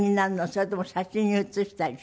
それとも写真に写したりして？